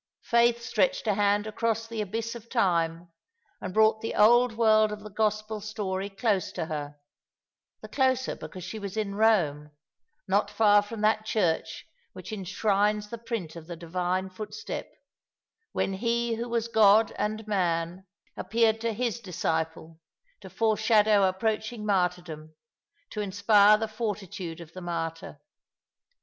Faith stretched a hand across the abyss of time, and brought the old world of the Gospel story close to her ; the closer, because she was in Eome, not far from that church which enshrines the print of the Divine footstep, when He who was God and Man, appeared to His disciple, to foreshadow approaching martyrdom, to inspire the fortitude of the martyr.